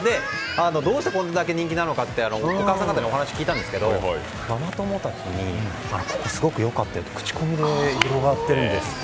どうしてこんなに人気なのかって施設の方たちにお話を聞いたんですがママ友たちにここ、すごく良かったよって口コミで広がっているんですって。